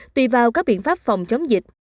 tùy vào các biện pháp phòng chống dịch